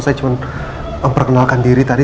saya cuma memperkenalkan diri tadi